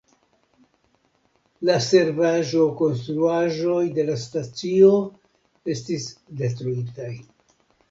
La servaĵokonstruaĵoj de la stacio estis detruitaj.